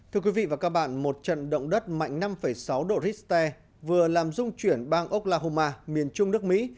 thưa quý vị và các bạn một trận động đất mạnh năm sáu độ richter vừa làm dung chuyển bang oklahoma miền trung nước mỹ